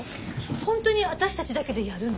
本当に私たちだけでやるの？